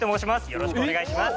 よろしくお願いします